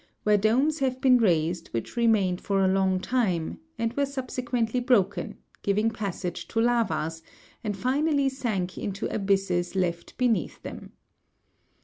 199), where domes have been raised which remained for a long time, and were subsequently broken, giving passage to lavas, and finally sank into abysses left beneath them.